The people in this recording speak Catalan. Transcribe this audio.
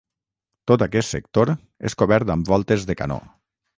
Tot aquest sector és cobert amb voltes de canó.